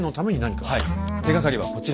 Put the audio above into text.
手がかりはこちらです。